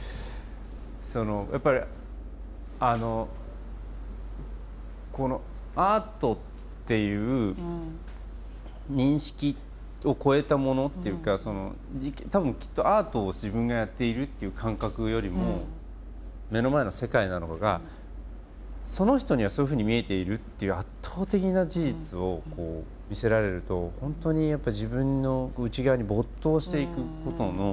そのやっぱりこのアートっていう認識を超えたものっていうか多分きっとアートを自分がやっているっていう感覚よりも目の前の世界なのかがその人にはそういうふうに見えているっていう圧倒的な事実を見せられると本当に自分の内側に没頭していくことの何て言うんだろう